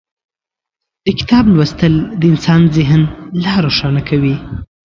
د کتاب لوستل د انسان ذهن لا روښانه کوي.